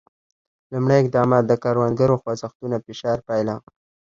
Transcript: لومړي اقدامات د کروندګرو خوځښتونو فشار پایله وه.